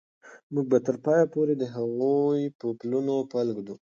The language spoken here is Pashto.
موږ به تر پایه پورې د هغوی په پلونو پل ږدو.